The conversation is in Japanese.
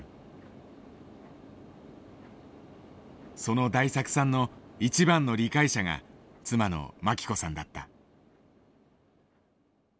その大作さんの一番の理解者が妻の真希子さんだった。